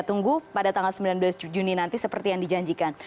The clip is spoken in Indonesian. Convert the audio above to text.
tunggu pada tanggal sembilan belas juni nanti seperti yang dijanjikan